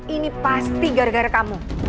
ini pasti gara gara kamu